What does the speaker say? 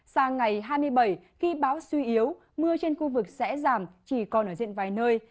sang ngày hai mươi bảy khi bão suy yếu mưa trên khu vực sẽ giảm chỉ còn ở diện vài nơi